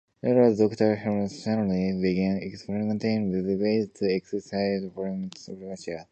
Later, Doctor Heshmat Shahriaree began experimenting with ways to excise fragments of menisci.